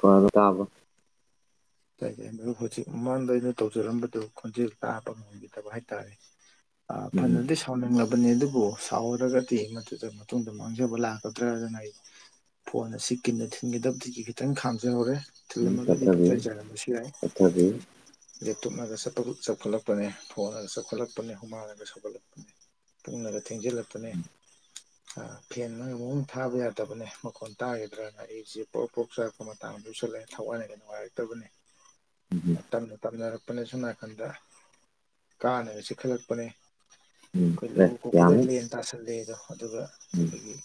ꯐꯅ ꯇꯥꯕ꯭ꯔꫭ ꯇꯥꯏ ꯇꯥꯏ ꯃꯔꯨꯞ ꯍꯧꯖꯤꯛ ꯃꯃꯥꯡꯗ ꯑꯩꯅ ꯇꯧꯖꯔꯝꯕꯗꯨ ꯈꯣꯟꯖꯦꯜ ꯇꯥꯕ ꯉꯝꯈꯤꯗꯕ ꯍꯥꯏꯇꯥꯔꯦ ꯑ ꯐꯖꯅꯗꯤ ꯁꯥꯎꯅꯤꯡꯂꯕ ꯕꯅꯤ ꯑꯗꯨꯕꯨ ꯁꯥꯎꯔꯔꯒꯗꯤ ꯃꯗꯨꯗ ꯃꯇꯨꯡꯗ ꯃꯥꯡꯖꯕ ꯂꯥꯛꯀꯗ꯭ꯔꯥꯏꯗꯅ ꯑꯩ ꯐꯣꯟ ꯑꯁꯤ ꯀꯤꯟꯅ ꯊꯤꯟꯒꯗꯕꯗꯒꯤ ꯈꯤꯇꯪ ꯈꯥꯝꯖꯧꯔꯦ ꯊꯤꯜꯂꯝꯃꯒꯗꯤ ꯄꯨꯡꯆꯥꯏ ꯆꯥꯏꯔꯝꯕꯁꯨ ꯌꯥꯏ ꯇꯨꯞꯅꯒ ꯆꯠꯄ ꯆꯥꯎꯈꯠꯂꯛꯄꯅꯦ ꯐꯣꯟꯉꯒ ꯆꯥꯎꯈꯠꯂꯛꯄꯅꯦ ꯍꯨꯃꯥꯡꯂꯒ ꯁꯧꯒꯠꯂꯛꯄꯅꯦ ꯄꯨꯡꯅꯒ ꯊꯦꯡꯖꯤꯜꯂꯛꯄꯅꯦ ꯑ ꯐꯦꯟ ꯅ ꯑꯃꯛ ꯊꯥꯕ ꯌꯥꯗꯕꯅꯦ ꯃꯈꯣꯟ ꯇꯥꯒꯗ꯭ꯔꯅ ꯑꯩꯁꯦ ꯄ꯭ꯔꫭꯛ ꯄ꯭ꯔꫭꯛ ꯆꯥꯛꯄ ꯃꯇꯥꯡꯗꯨ ꯑꫭꯏꯁ ꯂꯥꯛꯑꯦ ꯊꯋꯥꯏꯅꯒ ꯅꯨꯉꯥꯏꯔꯛꯇꯕꯅꯦ ꯇꯝꯅ ꯇꯝꯅꯔꯛꯄꯅꯦ ꯁꫭꯝ ꯅꯥꯀꯟꯗ ꯀꯥꯡꯅꯒ ꯆꯤꯈꯠꯂꯛꯄꯅꯦ ꯑꯩꯈꯣꯏ ꯂꯨ ꯀꯣꯛꯄꯗ ꯂꯦꯟ ꯇꯥꯁꯜꯂꯦꯗꯣ ꯑꯗꯨꯒ ꯑꯩꯈꯣꯏꯒꯤ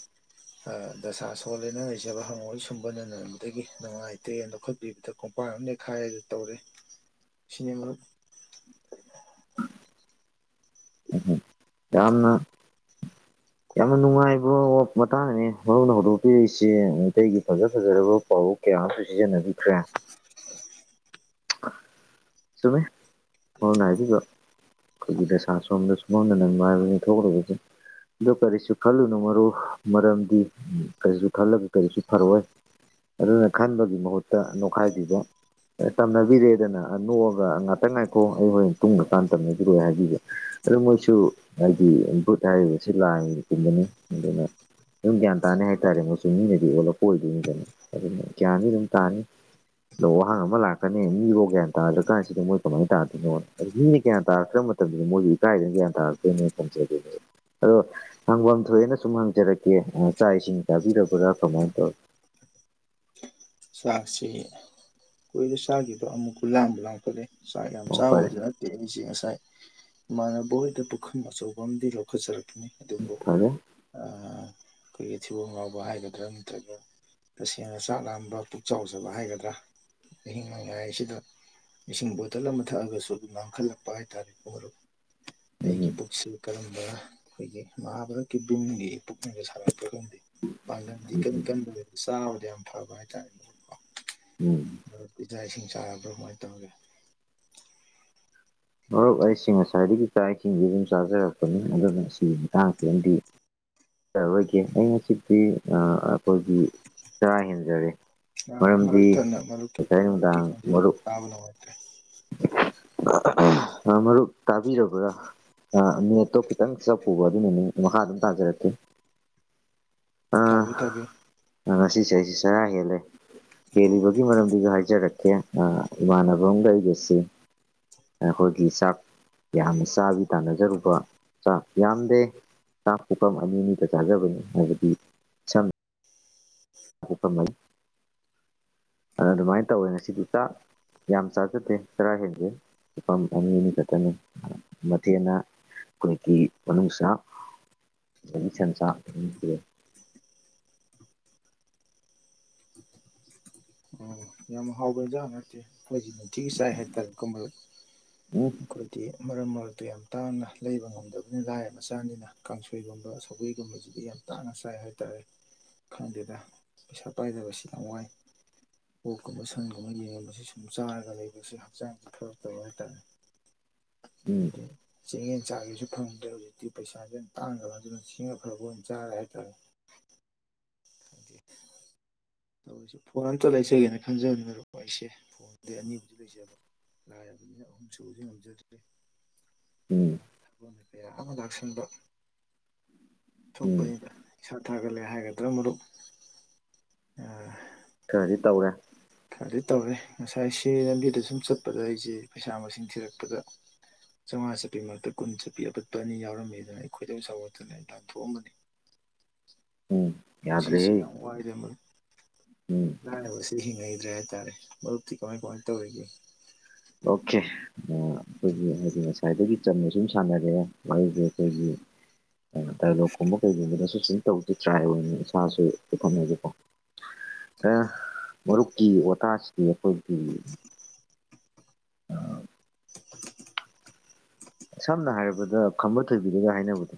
ꯗꯁꯥ ꯁꯣꯜꯂꯅ ꯂꯩꯖꯕ ꯍꯪꯉꯣꯏ ꯁꯨꯝꯕꯅꯕꯗꯒꯤ ꯅꯨꯡꯉꯥꯏꯇꯦꯅ ꯂꯧꯈꯠꯄꯤꯕꯗ ꯈꫭꯡꯄꯥꯛꯅ ꯑꯃꯨꯛ ꯅꯦ ꯈꯥꯏꯑꯗꯨ ꯇꯧꯔꯦ ꯁꯤꯅꯤ ꯃꯔꯨꯞ ꯌꯥꯝꯅ [inaudible] ꯌꯥꯝꯅ ꯅꯨꯡꯉꯥꯏꯕ ꯃꯇꯥꯡꯅꯤ ꯃꯔꯨꯞꯅ ꯍꯧꯗꯣꯛꯄꯤꯔꯛꯏꯁꯤ ꯃꯩꯇꯩꯒꯤ ꯐꯖ ꯐꯖꯔꯕ ꯄꯥꯎ ꯀꯌꯥ ꯀꯌꯥ ꯑꯃꯁꯨ ꯁꯤꯖꯤꯟꯅꯕꯤꯈ꯭ꯔꯦ ꯆꯨꯝꯃꯦ ꯃꯔꯨꯞꯅ ꯍꯥꯏꯕꯤꯕ ꯑꯩꯈꯣꯏꯒꯤ ꯗꯁꯥ ꯁꯣꯝꯗ ꯁꯨꯝꯕꯟꯅ ꯅꯟꯕ ꯍꯥꯏꯏꯕꯗꯨꯅꯤ ꯊꯣꯛꯈꯂꯤꯕꯁꯦ ꯑꯗꯨ ꯀꯔꯤꯁꯨ ꯈꯜꯂꯨꯅꯨ ꯃꯔꯨꯞ ꯃꯔꯝꯗꯤ ꯀꯔꯤꯁꯨ ꯈꯜꯂꯒ ꯀꯔꯤꯁꯨ ꯐꯔꯣꯏ ꯑꯗꯨꯅ ꯈꯟꯕꯒꯤ ꯃꯍꯨꯠꯇ ꯅꯣꯛꯈꯥꯏꯕꯤꯕ ꯇꯝꯅꯕꯤꯔꯦꯗꯅ ꯅꯣꯛꯑꯒ ꯉꯥꯛꯇꯪ ꯉꯥꯏꯈꯣ ꯑꯩ ꯍꯣꯔꯦꯟ ꯇꯨꯡꯉꯀꯥꯟꯗ ꯇꯝꯅꯕꯤꯔꯛꯑꯣ ꯍꯦꯛꯍꯥꯏꯕꯤ ꯑꯗꯨ ꯃꯣꯏ ꯁꯨ ꯍꯥꯏꯗꯤ ꯚꯨꯠ ꯍꯥꯏꯔꯤꯕꯁꯤ ꯂꯥꯏ ꯒꯨꯝꯕꯅꯤ ꯑꯗꯨꯅ ꯑꯗꯨꯝ ꯒ꯭ꯌꯥꯟ ꯇꯥꯅꯤ ꯍꯥꯏꯇꯥꯔꯦ ꯃꯣꯏꯁꯨ ꯃꯤꯅꯗꯤ ꯑꯣꯜꯂꯛꯄ ꯑꯣꯏꯗꯣꯏꯅꯤꯗꯅ ꯑꯗꯨꯅ ꯒ꯭ꯌꯥꯟꯗꯤ ꯑꯗꯨꯝ ꯇꯥꯅꯤ ꯗꫭ ꯋꯥꯍꯪ ꯑꯃ ꯂꯥꯛ ꯀꯅꯤ ꯃꯤꯐꯥꯎ ꯒ꯭ꯌꯥꯟ ꯇꯥꯗ꯭ꯔ ꯀꯥꯟꯁꯤꯗ ꯃꯣꯏ ꯀꯃꯥꯏꯅ ꯇꯥꯗꯣꯏꯅꯣꯅ ꯃꯤꯅ ꯒ꯭ꯌꯥꯟ ꯇꯥꯔꯛꯇ꯭ꯔꯕ ꯃꯇꯝꯗ ꯃꯣꯏꯁꯨ ꯏꯀꯥꯏꯗꯨꯏꯖꯦ ꯑꯗꯣ ꯍꯪꯐꯝ ꯊꯣꯛꯣꯏꯑꯦꯅ ꯁꯨꯝ ꯍꯪꯖꯔꯛꯀꯦ ꯆꯥꯛ ꯏꯁꯤꯡ ꯍꯕꯤꯔꯕ꯭ꯔꯥ ꯀꯃꯥꯏꯅ ꯇꯧꯏ [unintelligible] ꯆꯥꯛꯁꯤ ꯀꯨꯏꯔꯦ ꯆꯥꯈꯤꯕ ꯑꯃꯨꯛꯄꯨ ꯂꯥꯝꯕꯨ ꯂꯥꯝꯈꯠꯂꯛꯑꯦ ꯁꯥꯛ ꯌꯥꯝ ꯑꯣ ꯐꯔꯦ ꯆꯥꯕꯕꯨꯗꯤ ꯅꯠꯇꯦ ꯑꯩꯁꯦ ꯉꯁꯥꯏ ꯏꯃꯥꯟꯕꯍꯣꯏꯗ ꯄꯨꯈꯝ ꯑꯆꯧꯕꯝꯗꯤ ꯂꯧꯈꯠꯔꯛ ꯅꯤ ꯑꯗꯨꯕꯨ ꯐꯔꯦ ꯑ ꯑꯩꯈꯣꯏꯒꯤ ꯊꯤꯕꯣꯡ ꯉꯥꯎꯕ ꯍꯥꯏꯒꯗ꯭ꯔ ꯅꯠꯇ꯭ꯔꯒ ꯇꯁꯦꯡꯅ ꯆꯥꯛ ꯂꯥꯝꯕ ꯄꯨꯛ ꯆꯥꯎꯖꯕ ꯍꯥꯏꯒꯗ꯭ꯔ ꯑꯍꯤꯡꯅꫭꯡꯌꯥꯏꯁꯤꯗ ꯏꯁꯤꯡ ꯕꯣꯇꯜ ꯑꯃ ꯊꯛꯑꯒꯁꯨ ꯂꯥꯝꯈꯠꯂꯛꯄ ꯍꯥꯏꯇꯥꯔꯦ ꯍꯧꯒꯠ ꯎꯝ ꯑꯩꯒꯤ ꯄꯨꯛꯁꯤ ꯀꯔꯝꯕ ꯑꯩꯈꯣꯏꯒꯤ ꯃꯍꯥꯚꯥꯔꯠꯀꯤ ꯚꯤꯝꯒꯤ ꯄꯨꯛꯅꯒ ꯁꯥꯥꯔꯛꯄ꯭ꯔꯈꯪꯗꯦ ꯄꯥꯡꯒꯟꯗꯤ ꯎꯝ ꯀ ꯀꯟꯗ ꯆꯥꯕꯗꯤ ꯌꯥꯝ ꯐꯕ ꯍꯥꯏꯇꯥꯔꯦꯅꯦꯣ ꯑ ꯎꯝ ꯏꯖꯆꯥ ꯏꯁꯤꯡ ꯆꯔꯕ꯭ꯔꯥ ꯀꯃꯥꯏꯅ ꯇꯧꯒꯦ ꯃꯔꯨꯞ ꯑꯩꯁꯤꯡ ꯉꯁꯥꯏꯗꯒꯤ ꯀꯥ ꯏꯁꯤꯡ ꯑꯗꯨꯝ ꯆꯥꯖꯔꯛꯄꯅꯤ ꯑꯗꯨꯅ ꯑꯁꯤꯒꯤ ꯃꯇꯥꯡ ꯄꯗꯤ ꯌꯥꯔꯣꯏꯒꯦ ꯑꯩ ꯉꯁꯤꯗꯤ ꯑꯩꯈꯣꯏꯒꯤ ꯆꯔꯥ ꯍꯦꯟꯖꯔꯦ ꯃꯔ ꯃꯔꯝꯗꯤ ꯏꯅ ꯃꯔꯨ ꯉꯁꯥꯏ ꯃꯔꯨꯛ ꯅꯨꯡꯗꯥꯡ ꯈꯖ ꯃꯔꯨꯞ ꯇꯥꯕꯅ ꯑꯣꯏꯠꯇꯦ [unintelligible] ꯃꯔꯔ ꯇꯥꯕꯤꯔ ꯀ ꯑ ꯃꯤ ꯑꯠꯇꯣ ꯈꯤꯇꯪ ꯆꯞ ꯄꯨꯕ ꯑꯗꯨꯅꯅꯤ ꯃꯈꯥ ꯑꯗꯨꯝ ꯇꯥꯖꯔꯛꯀꯦ ꯊꯕꯤ ꯊꯕꯤꯌꯦ ꯑꯁꯤꯁꯦ ꯑꯩꯁꯦ ꯆꯔꯥ ꯍꯦꯜꯂꯦ ꯍꯦꯜꯂꯤꯕꯒꯤ ꯃꯔꯝꯗꯨꯒ ꯍꯥꯏꯖꯔꯛꯀꯦ ꯏꯃꯥꯟꯅꯕ ꯑꯝꯒ ꯑꯩꯒꯁꯤ ꯑꯩꯈꯣꯏꯒꯤ ꯆꯥꯛ ꯌꯥꯝꯅ ꯆꯥꯕꯤ ꯇꯥꯟꯅꯖꯔꯨꯕ ꯆꯥꯛ ꯌꯥꯝꯗꯦ ꯆꯥꯛ ꯄꯨꯐꯝꯝ ꯑꯅꯤ ꯑꯅꯤꯗ ꯆꯥꯖꯕꯅꯤ ꯍꯥꯏꯕꯗꯤꯝ ꯑ ꯆꯅꯤ ꯑꯗꯨ ꯑꯗꯨꯃꯥꯏꯅ ꯇꯧꯋꯦ ꯉꯁꯤꯗꯤ ꯆꯥꯛ ꯌꯥꯝ ꯆꯥꯖꯠꯇꯦ ꯆꯔꯥ ꯍꯦꯟꯖꯩ ꯂꯨꯄꯥ ꯑꯃ ꯆꯅꯤ ꯑꯅꯤ ꯆꯠꯇꯅꯤ ꯃꯊꯦꯅ ꯑꯩꯣꯏꯁꯁꯟ ꯎꯝ ꯌꯥꯝ ꯍꯥꯎꯕ ꯍꯖꯥꯡ ꯅꯠꯇꯦ ꯑꯩꯈꯣꯏꯒꯤ ꯅꯤꯡꯅꯨꯡꯊꯤꯒꯤ ꯆꯥꯏ ꯍꯥꯏꯇꯥꯔꯦꯒꯨꯝꯕ ꯎꯝ ꯑꯩꯈꯣꯏꯗꯤ ꯃꯔꯛ ꯃꯔꯛꯇ ꯌꯥꯝ ꯇꯥꯡꯅ ꯂꯩꯕ ꯉꯝꯗꯕꯅꯤꯅ ꯂꯥꯏꯔ ꯃꯆꯥꯅꯤꯅ ꯀꯥꯡꯁꯣꯏꯒꯨꯝꯕ ꯁꯒꯣꯏꯒꯨꯝꯕꯁꯤꯗꯤ ꯌꯥꯝ ꯇꯥꯡꯅ ꯆꯥꯏ ꯍꯥꯏꯇꯥꯔꯦ ꯈꯪꯗꯦꯗ ꯄꯩꯁꯥ ꯄꯥꯏꯗꯕꯁꯤ ꯌꯥꯝ ꯋꯥꯏ ꯀꯣꯛꯀꯨꯝꯕ ꯁꯪꯒꯨꯝꯕ ꯌꯦꯡꯉꯕꯁꯤ ꯁꯨꯝ ꯆꯥꯔꯒ ꯂꯩꯕꯕꯁꯤ ꯍꯛꯆꯥꯡꯁ ꯐꯔ ꯇꯕ ꯍꯥꯏꯇꯥꯔꯦ ꯎꯝ ꯗꯤ ꯏ ꯆꯆꯥꯒꯤꯁꯨ ꯐꯪꯗ꯭ꯔꯦ ꯍꯧꯖꯤꯛꯇꯤ ꯄꯩꯁꯥꯥꯁꯦ ꯌꯥꯝ ꯇꯥꯡꯈ꯭ꯔ ꯑꯗꯨꯅ ꯁꯤꯡꯉ ꯐꯕ ꯑꯣꯏꯅ ꯆꯥꯔꯦ ꯍꯥꯏꯇꯥꯔꯦ [unintelligible] [inaudible] ꯇꯧꯁꯦ ꯐꯣꯟ ꯑꯝꯇ ꯂꯩꯖꯒꯦꯅ ꯈꯟꯖꯕꯅꯤꯔꯛꯄ ꯑꯩꯁꯦ ꯐꯣꯟꯗꯩ ꯑꯅꯤꯕꯨꯗꯤ ꯂꯩꯖꯕꯅꯦ ꯂꯥꯏꯔꯕꯅꯤꯅ ꯑꯍꯨꯝ ꯁꯨꯕꯗꯤ ꯉꯝꯖꯗ꯭ꯔꯦ ꯎꯝ ꯊꯕꯛꯅ ꯀꯌꯥ ꯑꯃ ꯂꯥꯛꯁꯤꯟꯕ ꯎꯝ ꯁꯣꯛꯄꯅꯤꯅ ꯏꯁꯥ ꯊꯥꯒꯠꯂꯦ ꯍꯥꯏꯒꯗ꯭ꯔꯥ ꯃꯔꯨꯞ ꯈꯔꯗꯤ ꯇꯧꯔꯦ ꯑꯗꯨ ꯇꯧꯔꯦ ꯉꯁꯥꯏ ꯁꯤ ꯂꯝꯕꯤꯗ ꯁꯨꯝ ꯆꯠꯄꯗ ꯑꯩꯁꯦ ꯄꯩꯁꯥ ꯃꯁꯤꯡ ꯊꯤꯔꯛꯄꯗ ꯆꯥꯝꯉꯥ ꯆꯄꯤ ꯃꯔꯨꯛꯇ ꯀꯨꯟ ꯆꯠꯄꯤ ꯑꯄꯠꯄ ꯑꯅꯤ ꯌꯥꯎꯔꯝꯃꯤ ꯑꯗꯨꯅ ꯑꯩꯈꯣꯏꯗꯧ ꯆꯥꯎꯒꯠꯇꯅ ꯑꯦꯟꯗꯥꯥꯟ ꯊꯣꯛꯣꯛꯑꯝꯕꯅꯤ [unintelligible] [inaudible] ꯎꯝ ꯁꯤꯁꯤ ꯌꯥꯗ꯭ꯔꯦꯍꯦ ꯋꯥꯏꯗꯝꯕ ꯎꯝ ꯂ ꯁꯤꯁꯤ ꯉ ꯦ ꯍꯥꯏꯇꯥꯔꯦ ꯃꯔꯤ ꯀꯃꯥꯏ ꯀꯃꯥꯏꯅ ꯇꯧꯔꯤꯒꯦ ꯑꯣꯀꯦ ꯑꯩꯈꯣꯏꯒꯤ ꯍꯥꯏꯗꯤ ꯉꯁꯥꯏꯗꯒꯤ ꯆꯅ ꯁꯨꯝ ꯁꯥꯟꯅꯔꯑꯦ ꯃꯔꯁ ꯑꯩꯈꯣꯏꯒꯤ ꯇꯂꯣꯛꯀꯨꯝꯕ ꯀꯩꯒꯨꯝꯕꯗꯁꯨ ꯁꯨꯝ ꯇꯧꯗꯤ ꯇ꯭ꯔꯥꯏ ꯑꯣꯏꯅꯤ ꯏꯁꯥꯁꯨ ꯄ ꯈꯟꯅꯒꯦꯀꯣ ꯃꯔꯨꯞꯀꯤ ꯋꯥꯇꯥꯁꯤꯗꯤ ꯑꯩꯈꯣꯏꯒꯤ ꯁꯝꯅ ꯍꯥꯏꯔꯕꯗ ꯈꯝꯕ ꯊꯣꯏꯕꯤꯔꯒ ꯍꯥꯏꯅꯕꯗꯣ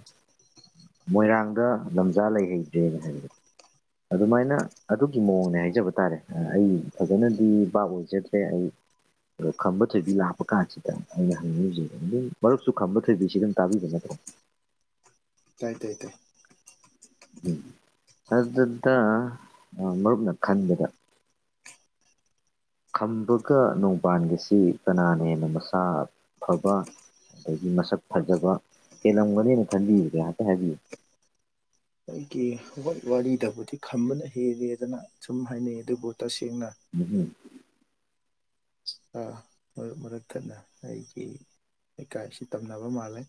ꯃꯣꯏꯔꯥꯡꯗ ꯂꯝꯖꯥ ꯂꯩ ꯍꯩꯗ꯭ꯔꯦꯅ ꯍꯥꯏꯕ ꯑꯗꯨꯃꯥꯏꯅ ꯑꯗꯨꯒꯤ ꯃꯑꯣꯡꯅꯦ ꯍꯥꯏꯖꯕ ꯇꯥꯔꯦ ꯑꯩ ꯐꯖꯅꯗꯤ ꯕꯥꯕ ꯑꯣꯏꯖꯗ꯭ꯔꯦ ꯑꯩ ꯑꯣ ꯈꯝꯕ ꯊꯣꯏꯕꯤ ꯂꯥꯛꯄ ꯀꯥꯟꯁꯤꯗ ꯑꯩꯅ ꯍꯪꯅꯤꯡꯤꯁꯦ ꯑꯗꯨꯝ ꯃꯔꯨꯞꯁꯨ ꯈꯝꯕ ꯊꯣꯏꯕꯤꯁꯤꯗꯪ ꯇꯥꯕꯤꯕ ꯅꯠꯇ꯭ꯔꯣ ꯏꯇꯥꯏ ꯇꯥꯏ ꯇꯥꯏ ꯎꯝ ꯑꯗꯨꯗ ꯃꯔꯨꯞꯅ ꯈꯟꯕꯗ ꯈꯝꯕꯒ ꯅꯣꯡꯕꯥꯟꯒꯁꯤ ꯀꯅꯥꯅ ꯍꯦꯟꯅ ꯃꯁꯥ ꯐꯕ ꯑꯗꯒꯤ ꯃꯁꯛ ꯐꯖꯕ ꯍꯦꯜꯂꯝꯒꯅꯦꯅ ꯈꯟꯕꯤꯕꯒꯩꯥꯏꯍꯥꯛꯇ ꯍꯥꯏꯕꯤꯌꯨ [unintelligible] [inaudible] ꯋꯥꯔꯤꯗꯕꯨꯗꯤ ꯈꯝꯕꯅ ꯍꯦꯜꯔꯦꯗꯅ ꯁꯨꯝ ꯍꯥꯏꯅꯩ ꯑꯗꯨꯕꯨ ꯇꯁꯦꯡ ꯎꯝꯝ ꯃꯔꯛ ꯃꯔꯛ ꯊꯠꯅ ꯑꯩꯒꯤ ꯂꯩꯀꯥꯏꯁꯤ ꯇꯝꯅꯕ ꯃꯥꯜꯂꯦ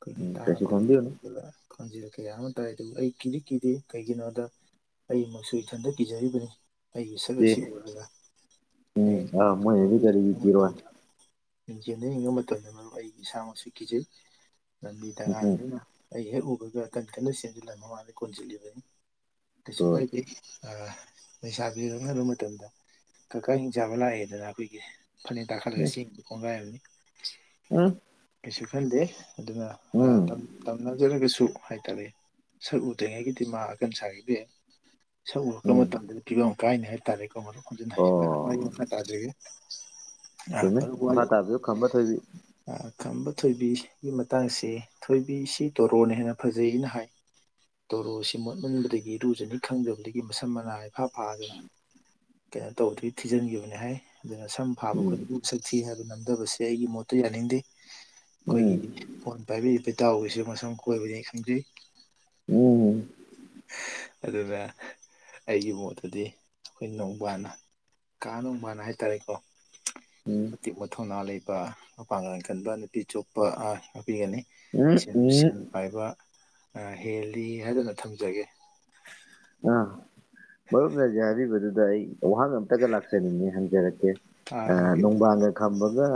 ꯀ ꯎꯝ ꯀꯩꯁꯨ ꯈꯟꯕꯤꯔꯨꯅꯨ ꯇꯕꯂ ꯐꯪꯖꯤꯕ ꯀꯌꯥ ꯑꯃ ꯇꯥꯏ ꯑꯗꯨꯕꯨ ꯑꯩ ꯀꯤꯗꯤ ꯀꯤꯗꯦ ꯀꯩꯒꯤꯅꯣꯗ ꯑꯩꯃꯛꯁꯨ ꯏꯊꯟꯇ ꯀꯤꯖꯔꯤꯕꯅꯤ ꯑꯩꯒꯤ ꯁꯛ ꯑꯦ ꯑꯁꯤ ꯎꯔꯒ ꯑꯩ ꯋꯥ ꯌꯦꯡꯖꯟꯅ ꯌꯦꯕ ꯃꯇꯝꯗ ꯃꯔꯨꯞ ꯑꯩ ꯏꯁꯥꯃꯛꯁꯨ ꯀꯤꯖꯩ ꯂꯝꯕꯤꯗꯉꯥꯡ ꯎꯝꯍꯨꯝ ꯑꯩ ꯍꯦꯛ ꯎꯕꯒ ꯀꯟ ꯀꯟꯅ ꯁꯦꯝꯖꯤꯜꯂ ꯃꯃꯥꯡꯗ ꯀꯣꯟꯁꯤꯜꯂꯤꯕꯅꯤ ꯀꯁꯨ ꯒꯨꯗ ꯀꯥꯏꯗ ꯑ ꯄꯩꯁꯥ ꯄꯤꯔꯝ ꯍꯥꯏꯟꯕ ꯃꯇꯝꯗ ꯀꯀꯥ ꯍꯤꯡꯆꯥꯥꯕ ꯂꯥꯛꯑꯦꯗꯅ ꯑꯩꯈꯣꯏꯒꯤꯁꯦ ꯐꯅꯤ ꯎꯝ ꯗꯔꯒꯁꯤ ꯀꯒꯥꯏꯅꯤ ꯎꯝ ꯀꯁꯨ ꯈꯟꯗꯦ ꯑꯗꯨꯅ ꯎꯝ ꯇꯝꯅꯖꯔꯒꯁꯨ ꯍꯥꯏꯇꯥꯔꯦ ꯁꯛ ꯎꯗ꯭ꯔꯤꯉꯩꯒꯤꯗꯤꯃꯥ ꯑꯀꯟ ꯁꯥꯗꯦ ꯁꯛꯔꯛꯄ ꯎꯝ ꯃꯇꯝꯗꯗꯤ ꯐꯤꯕꯝ ꯀꯥꯏꯅꯤ ꯍꯥꯏꯇꯥꯔꯦꯀꯣ ꯃꯔꯖꯤ ꯃꯈꯥ ꯇꯥꯖꯒꯦ ꯁꯤꯃꯦ ꯃꯔꯨꯞ ꯋꯥ ꯍꯥ ꯋꯥꯔꯤ ꯇꯥꯕꯤꯌꯨ ꯈꯪꯝꯕ ꯊꯣꯏꯕꯤ ꯈꯝꯕ ꯊꯣꯏꯕꯤꯒꯤ ꯃꯇꯥꯡꯁꯦ ꯊꯣꯏꯕꯤꯁꯤ ꯇꯣꯔꯣꯅ ꯍꯦꯟꯅ ꯐꯖꯩꯅ ꯍꯥꯏ ꯇꯣꯔꯣ ꯑꯁꯤ ꯃꯣꯠꯃꯟꯕꯗꯒꯤ ꯏꯔꯨꯖꯅꯤ ꯈꯪꯗꯕꯗꯒꯤ ꯃꯁꯝ ꯃꯅꯥꯏ ꯃꯈꯥ ꯐꯥꯗꯅ ꯀꯩꯅꯣ ꯇꯧꯕꯗꯨꯒꯤ ꯊꯤꯖꯤꯟꯈꯤꯕꯅꯤ ꯍꯥꯏ ꯑꯗꯨꯅ ꯁꯝ ꯐꯥꯕ ꯎꯝ ꯈꯨꯗꯤꯡꯃꯛ ꯃꯁꯛ ꯍꯥꯏꯕ ꯅꯝꯗꯕꯁꯦ ꯑꯩꯒꯤ ꯃꯣꯠꯇ ꯌꯥꯅꯤꯡꯗꯦ ꯎꯝ ꯑꯩꯈꯣꯏꯒꯤ ꯐꯣꯟ ꯄꯥꯏꯕꯤꯏ ꯏꯇꯥꯎꯒꯤꯁ ꯃꯁꯝ ꯀꯣꯏꯕꯅꯤ ꯈꯪꯖꯩ ꯎꯝ ꯑꯗꯨꯅ ꯑꯩꯒꯤ ꯃꯣꯠꯇꯗꯤ ꯑꯩꯈꯣꯏ ꯅꯣꯡꯕꯥꯅ ꯀꯥ ꯅꯣꯡꯕꯥꯟ ꯍꯥꯏꯇꯥꯔꯦꯀꯣ ꯎꯝ ꯑꯇꯦꯛꯄ ꯊꯧꯅꯥ ꯂꯩꯕ ꯃꯄꯥꯡꯒꯜ ꯀꯟꯕ ꯅꯨꯄꯤ ꯆꯨꯞꯄ ꯌꯥꯄꯤꯒꯅꯤ ꯎꯝ ꯁꯦꯜ ꯎꯝ ꯄꯥꯏꯕ ꯍꯦꯜꯂꯤ ꯍꯥꯏꯗꯅ ꯊꯝꯖꯒꯦ ꯑꯥ ꯃꯔ ꯅꯖꯕꯤꯕꯗꯨꯗ ꯑꯩ ꯋꯥꯍꯪ ꯑꯝꯇꯒ ꯂꯥꯛꯆꯅꯤꯡꯉꯤ ꯍꯪꯖꯔꯛꯀꯦ ꯑꯥ ꯍꯪꯕꯤꯌꯨ ꯅꯅꯨꯡꯕꯥꯡꯒ ꯈꯝꯕꯒ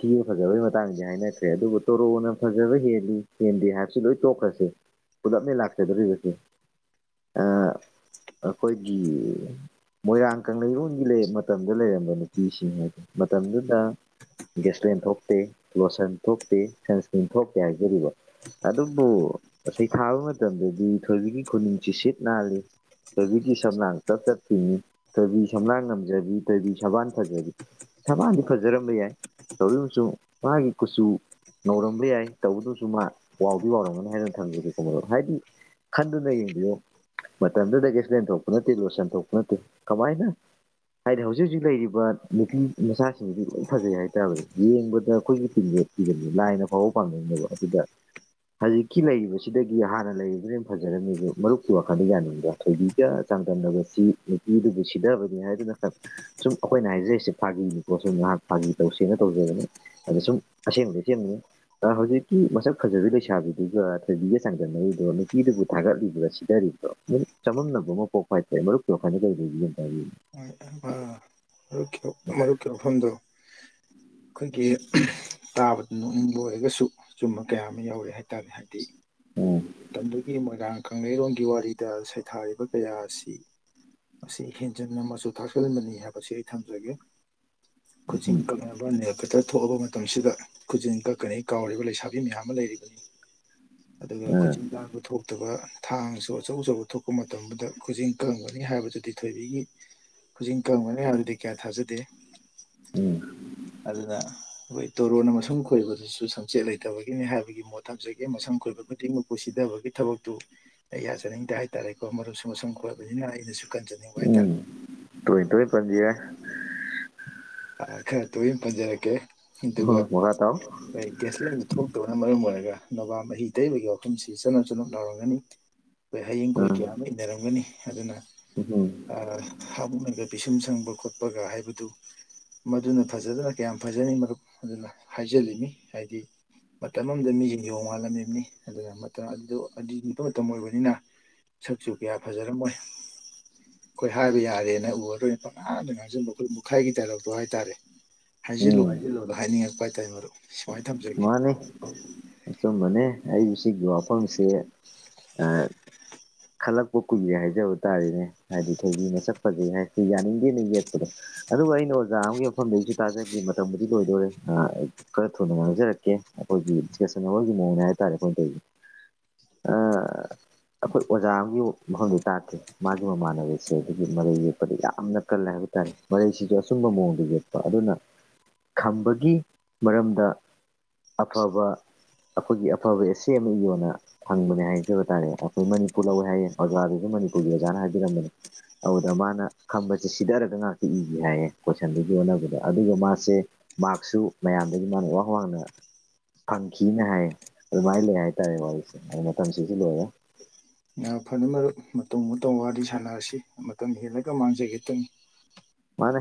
ꯊꯤꯕ ꯐꯖꯕꯒꯤ ꯃꯇꯥꯡꯗꯤ ꯍꯥꯏꯅꯈ꯭ꯔꯦ ꯑꯗꯨꯕꯨ ꯇꯣꯔꯣꯅ ꯐꯖꯕ ꯍꯦꯜꯂꯤ ꯍꯦꯟꯗꯦ ꯍꯥꯏꯕꯁꯨ ꯂꯣꯏ ꯇꯣꯛꯈ꯭ꯔꯁꯦ ꯄꯨꯂꯞꯅꯦ ꯂꯥꯛꯆꯗꯣꯧꯔꯤꯕꯁꯦ ꯑꯩꯈꯣꯏꯒꯤ ꯃꯣꯏꯔꯥꯡ ꯀꯪꯂꯩꯔꯂꯣꯟꯒꯤꯒꯤ ꯃꯇꯝꯗ ꯂꯩꯔꯝꯕ ꯅꯨꯄꯤꯁꯤꯡ ꯍꯥꯏꯁꯦ ꯃꯇꯝꯗꯨꯗ ꯒꯦꯁꯇꯦꯟ ꯊꯣꯛꯇꯦ ꯂꯣꯁꯟ ꯊꯣꯛꯇꯦ ꯁꯟꯁꯀ꯭ꯟ ꯊꯣꯛꯇꯦ ꯍꯥꯏꯖꯔꯤꯕ ꯑꯗꯨꯕꯨ ꯉꯩ ꯊꯥꯕ ꯃꯇꯝꯗꯗꯤ ꯊꯣꯏꯕꯤꯒꯤ ꯈꯨꯅꯨꯡꯁꯤ ꯁꯤꯠ ꯅꯥꯍꯜꯂꯤ ꯇꯣꯏꯕꯤꯒꯤ ꯁꯝꯂꯥꯡ ꯇꯞ ꯆꯠꯈꯤꯅꯤ ꯊꯣꯏꯕꯤ ꯁꯝꯂꯥꯡ ꯉꯝꯖꯕꯤ ꯇꯣꯏꯕꯤ ꯁꯕꯥꯟ ꯐꯖꯕꯤ ꯁꯕꯥꯗꯤ ꯐꯖꯔꯝꯕ ꯌꯥꯏ ꯇꯧꯔꯤꯕꯁꯨ ꯃꯥꯒꯤ ꯀꯨꯆꯨ ꯉꯧꯔꯝꯕ ꯌꯥꯏ ꯇꯧꯕꯗꯨꯁꯨ ꯃꯥ ꯋꯥꯎꯗꯤ ꯋꯥꯎꯔꯝꯒꯅꯤ ꯍꯥꯏꯗꯅ ꯊꯝꯖꯒꯦ ꯀꯣꯃ ꯍꯥꯏꯗꯤ ꯈꯟꯅ ꯌꯦꯕꯤꯌꯣ ꯃꯇꯝꯗꯨꯗꯒꯤ ꯑꯦꯁꯂꯦꯟ ꯊꯣꯛꯄ ꯅꯠꯇꯦ ꯂꯣꯁꯟ ꯊꯣꯛꯄ ꯅꯠꯇꯦ ꯀꯃꯥꯏꯅ ꯍꯥꯏꯗꯤ ꯍꯧꯖꯤꯛ ꯍꯧꯖꯤꯛ ꯂꯩꯔꯤꯕ ꯅꯨꯄꯤ ꯃꯆꯥꯁꯤꯡꯁꯤꯗꯤ ꯂꯣꯏ ꯐꯖꯩ ꯍꯥꯏꯇꯥꯔꯅꯦ ꯌꯦꯡꯕꯗ ꯑꯩꯈꯣꯏꯒꯤ ꯇ ꯈꯤꯕꯅꯤ ꯂꯥꯏꯅ ꯐꯥꯎꯕ ꯐꯥꯅꯩꯅꯦꯕ ꯑꯗꯨꯗ ꯍꯧꯖꯤꯛꯀꯤ ꯂꯩꯔꯤꯕꯁꯤꯗꯒꯤ ꯍꯥꯟꯅ ꯂꯩꯔꯤꯕꯅ ꯌꯥꯝ ꯐꯖꯔꯝꯃꯤꯕ ꯃꯔꯨꯞ ꯋꯥꯈꯜꯗ ꯌꯥꯅꯤꯡꯕ꯭ꯔꯥ ꯊꯣꯏꯕꯤꯒ ꯆꯥꯡꯗꯝꯅꯕꯁꯤ ꯅꯨꯄꯤꯗꯨꯕꯨ ꯁꯤꯊꯕꯅꯤ ꯍꯥꯏꯗꯨꯅ ꯁꯨꯝ ꯑꯩꯈꯣꯏꯅ ꯍꯥꯏꯖꯔꯤꯁꯦ ꯐꯥꯒꯤꯅꯤꯀꯣ ꯁꯨꯝ ꯉꯍꯥꯛ ꯐꯥꯒꯤ ꯇꯧꯁꯦꯅ ꯇꯧꯖꯕꯅꯤ ꯑꯗ ꯁꯨꯝ ꯑꯁꯦꯡꯕꯗꯒꯤ ꯁꯦꯝꯕꯅꯤ ꯍꯧꯖꯤꯛꯤ ꯃꯁꯛ ꯐꯖꯕꯤ ꯂꯩꯁꯥꯕꯤꯗꯨꯒ ꯊꯣꯏꯕꯤꯒ ꯆꯥꯡꯗꯝꯅꯔꯤꯗꯣ ꯅꯨꯄꯤꯗꯨꯕꯨ ꯊꯥꯒꯠꯂꯤꯕ꯭ꯔꯥ ꯁꯤ ꯀꯔꯤꯣ ꯆꯃꯝꯅꯕ ꯑꯃ ꯄꯣꯛꯄ ꯍꯥꯏꯁꯦ ꯃꯔꯨꯞꯀꯤꯣꯥꯏꯅ ꯀꯔꯤ ꯂꯩꯒꯦꯇ ꯍꯥꯏꯕꯤꯅꯣ ꯃꯔꯨꯞ ꯃꯔꯨꯞꯀꯤ ꯃꯐꯝꯗꯣ ꯑꯩꯈꯣꯏꯒꯤ ꯇꯥꯕꯗ ꯅꯣꯛꯅꯤꯡꯕ ꯑꯣꯏꯔꯒꯁꯨ ꯆꯨꯝꯕ ꯀꯌꯥ ꯑꯃ ꯌꯥꯎꯔꯦ ꯍꯥꯏ ꯇꯥꯔꯦ ꯍꯥꯏꯗꯤ ꯎꯝ ꯃꯇꯝꯗꯨꯒꯤ ꯃꯣꯏꯔꯥꯡ ꯀꯪꯂꯩꯔꯣꯒꯤ ꯋꯥꯔꯤꯗ ꯁꯩꯊꯥꯔꯤꯕ ꯀꯌꯥ ꯑꯁꯤ ꯃꯁꯤ ꯍꯦꯟꯖꯤꯟꯅ ꯃꯆꯨ ꯊꯥꯛꯆꯜꯍꯟꯕꯅꯤ ꯍꯥꯏꯕꯁꯤ ꯑꯩ ꯊꯝꯖꯒꯦ ꯀꯁꯤ ꯎꯝ ꯏꯟꯀ ꯃꯕ ꯅ ꯀꯇꯔ ꯊꯣꯛꯑꯕ ꯃꯇꯝꯁꯤꯗ ꯈꯨꯖꯤꯟ ꯀꯛꯀꯅꯤꯩ ꯀꯥꯎꯔꯤꯕ ꯂꯩꯁꯥꯕꯤ ꯃꯌꯥꯝ ꯑꯃ ꯂꯩꯔꯤꯕꯅꯤ ꯎꯝ ꯈꯨꯆꯤꯟ ꯂꯥꯡꯕ ꯊꯣꯛꯇꯕ ꯊꯥꯡꯁꯨ ꯑꯆꯧ ꯑꯆꯧꯕ ꯊꯣꯛꯄ ꯃꯇꯝꯗꯨꯗ ꯈꯨꯖꯤꯡ ꯀꯪꯒꯅꯤ ꯍꯥꯏꯕꯗꯨꯗꯤ ꯊꯣꯏꯕꯤꯒꯤ ꯍꯧꯖꯤꯛ ꯀꯪꯒꯅꯤ ꯍꯥꯏꯕꯗꯨꯗꯤ ꯀꯌꯥ ꯊꯥꯖꯗꯦ ꯎꯝ ꯑꯗꯨꯅ ꯑꯩꯈꯣꯏ ꯇꯣꯔꯣꯟꯅ ꯃꯁꯝ ꯈꯣꯏꯕꯗꯁꯨ ꯁꯝꯆꯦꯠ ꯂꯩꯇꯕꯒꯤꯅꯤ ꯍꯥꯏꯕꯒꯤ ꯃꯣꯠ ꯊꯝꯖꯒꯦ ꯃꯁꯝ ꯈꯣꯏꯕ ꯈꯨꯗꯤꯡꯃꯛ ꯀꯁꯤꯊꯕꯒꯤ ꯊꯕꯛꯇꯨ ꯑꯩ ꯌꯥꯖꯅꯤꯡꯗꯦ ꯍꯥꯏꯇꯥꯔꯦꯀꯣ ꯃꯔꯨꯞꯁꯨ ꯃꯁꯝ ꯈꯣꯏꯕꯅꯤꯅ ꯑꯩꯅꯁꯨ ꯀꯟꯖꯅꯤꯡꯕ ꯎꯝ ꯍꯥꯏꯇꯥꯔꯦ ꯇꯨꯡꯣꯏ ꯇꯨꯏ ꯀꯖꯦ ꯈꯔ ꯇꯣꯏꯅ ꯄꯟꯖꯔꯛꯀꯦ ꯑꯗꯨꯒ ꯃꯈꯥ ꯇꯥꯎ ꯑꯩ ꯒ꯭ꯌꯥꯁꯂꯦꯟꯗꯨ ꯊꯣꯛꯇꯕꯅ ꯃꯔꯝ ꯑꯣꯏꯔꯒ ꯅꯕꯥ ꯃꯍꯤ ꯇꯩꯕꯒꯤ ꯋꯥꯐꯝꯁꯤ ꯆꯠꯅ ꯆꯅ ꯅꯥꯔꯝꯒꯅꯤ ꯑꯩꯈꯣꯏ ꯍꯌꯦꯡ ꯀꯣꯏ ꯎꯝ ꯀꯌꯥ ꯑꯃ ꯏꯟꯅꯔꯝꯒꯅꯤ ꯑꯗꯨꯅ ꯎꯝ ꯍꯥꯒ ꯄꯤꯁꯨꯝ ꯁꯪꯕ ꯈꯣꯠꯄꯒ ꯍꯥꯏꯕꯗꯨ ꯃꯗꯨꯅ ꯐꯖꯗꯅ ꯀꯌꯥꯝ ꯐꯖꯅꯤ ꯃꯔꯨꯞ ꯑꯗꯨꯅ ꯍꯥꯏꯖꯜꯂꯤꯃꯤ ꯍꯥꯏꯗꯤ ꯃꯇꯝ ꯑꯃꯗ ꯃꯤꯁꯤ ꯌꯦꯌꯣꯡꯉꯥꯜꯂꯝꯃꯤꯕꯅꯤ ꯑꯗꯨꯅ ꯃꯇꯝ ꯑꯗꯨꯗꯣ ꯑꯗꯨ ꯠꯄ ꯃꯇꯝ ꯑꯣꯏꯕꯅꯤꯅ ꯁꯛꯁꯨ ꯀꯌꯥ ꯐꯖꯔꯝꯃꯣꯏ ꯑꯩꯈꯣꯏ ꯍꯥꯏꯕ ꯌꯥꯔꯦꯅ ꯎꯔꯔꯣꯏ ꯄꯉꯥꯗ ꯉꯥꯡꯁꯤꯟꯕ ꯑꯩꯈꯣꯏ ꯃꯈꯥꯏꯒꯤ ꯇꯔ ꯣ ꯍꯥꯏꯇꯥꯔꯦ ꯍꯥꯏꯖꯤꯜꯂꯨ ꯎꯝ ꯍꯥꯏꯖꯤꯜꯂꯨ ꯑꯗꯣ ꯍꯥꯏꯅꯤꯡꯉꯛꯄ ꯍꯥꯏꯇꯥꯔꯦ ꯃꯔꯨꯞ ꯁꯨꯃꯥꯏꯅ ꯊꯝꯖꯒꯦ ꯆꯨꯝꯕꯅꯦ ꯑꯩꯕꯨ ꯁꯤꯒꯤ ꯋꯥꯐꯝꯁꯦ ꯑꯥ [unintelligible] ꯈꯜꯂꯛꯄ ꯀꯨꯏꯔꯦ ꯍꯥꯏꯖꯕ ꯇꯥꯔꯦꯅꯦ ꯍꯥꯏꯗꯤ ꯊꯣꯏꯕꯤꯅ ꯆꯠꯄꯒꯤꯩ ꯍꯥꯏꯁꯦ ꯌꯥꯅꯤꯡꯗꯦꯅ ꯌꯦꯛꯄꯗꯣ ꯑꯗꯨꯒ ꯑꯩꯅ ꯑꯣꯖꯥ ꯑꯃꯒꯤ ꯃꯐꯝꯗꯒꯤꯁꯨ ꯇꯥꯖꯈꯤ ꯃꯇꯝꯕꯨꯗꯤ ꯂꯣꯏꯗꯣꯔꯔꯦ ꯑ ꯈꯔ ꯊꯨꯅ ꯉꯥꯡꯖꯔꯛꯀꯦ ꯑꯩꯈꯣꯏꯒꯤ ꯗꯤꯁꯀꯁꯟ ꯑꯔꯒꯤ ꯃꯑꯣꯡꯅꯦ ꯍꯥꯏ ꯇꯥꯔꯦ ꯑꯩꯈꯣꯏꯅ ꯇꯧꯦ ꯑꯥ ꯑꯩꯈꯣꯏ ꯑꯣꯖꯥ ꯑꯃꯒꯤ ꯃꯐꯝꯗꯤ ꯇꯥꯛꯀꯦ ꯃꯥꯒꯤ ꯃꯃꯥꯟꯅꯕꯤꯁꯦ ꯑꯗꯨꯒꯤ ꯃꯔꯩ ꯌꯦꯛꯄꯗ ꯌꯥꯝꯅ ꯀꯜꯂꯦ ꯍꯥꯏꯕ ꯍꯥꯏꯇꯥꯔꯦ ꯃꯔꯩꯁꯤꯁꯨ ꯑꯆꯨꯝꯕ ꯃꯑꯣꯡꯗ ꯌꯦꯛꯄ ꯑꯗꯨꯅ ꯈꯝꯕꯒꯤ ꯃꯔꯝꯗ ꯑꯐꯕ ꯑꯩꯈꯣꯏꯒꯤ ꯑꯐꯕ ꯑꯦ ꯁꯤ ꯑꯃ ꯌꯣꯟꯅ ꯐꯪꯕꯅꯦ ꯍꯥꯏꯖꯕ ꯇꯥꯔꯦ ꯑꯩꯈꯣꯏ ꯃꯅꯤꯄꯨꯔ ꯂꯧꯋꯦ ꯍꯥꯏꯌꯦ ꯑꯣꯕꯖꯥꯔꯗꯁꯨ ꯃꯅꯤ ꯀꯨꯒꯤꯔꯖꯥꯅ ꯍꯥꯏꯕꯤꯔꯝꯝꯕꯅꯤ ꯑꯗꯨꯗ ꯃꯥꯅ ꯈꯝꯕꯁꯦ ꯁꯤꯗꯔꯒ ꯉꯥꯛꯇ ꯏꯒꯦ ꯍꯥꯏꯌꯦ ꯀꯣꯏꯁꯟꯗꯨꯒꯤ ꯑꯣꯟꯅꯕꯗ ꯑꯗꯨꯒ ꯃꯥꯁꯦ ꯃꯥꯁꯨ ꯃꯌꯥꯝꯗꯒꯤ ꯃꯥꯅ ꯋꯥ ꯋꯥꯡꯅ ꯐꯪꯈꯤꯅ ꯍꯥꯏꯌꯦ ꯑꯗꯨꯃꯥꯏꯅ ꯂꯩ ꯍꯥꯏꯇꯥꯔꯦ ꯋꯥꯔꯤꯁꯦ ꯑ ꯃꯇꯝꯁꯤꯁꯨ ꯂꯣꯏꯔꯦ ꯉ ꯐꯅ ꯃꯔ ꯃꯇꯧ ꯃꯇꯧ ꯋꯥꯔꯤꯗꯤ ꯁꯥꯟꯅꯁꯤ ꯃꯇꯝ ꯍꯦꯜꯂꯒ ꯃꯥꯡꯖꯈꯤꯦ ꯇꯅꯤ ꯃꯥꯅꯦ